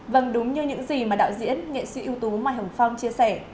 vâng đúng như những gì mà đạo diễn nghệ sĩ ưu tú mai hồng phong chia sẻ